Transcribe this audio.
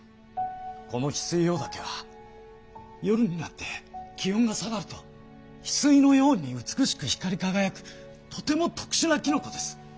このヒスイオオダケは夜になって気温が下がるとヒスイのように美しく光りかがやくとても特しゅなキノコです。